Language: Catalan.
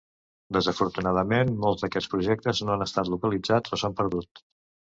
Desafortunadament molts d'aquests projectes no han estat localitzats o s'han perdut.